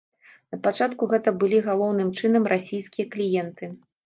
Напачатку гэта былі галоўным чынам расійскія кліенты.